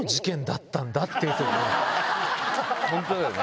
本当だよね。